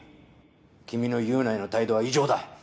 君の優奈への態度は異常だ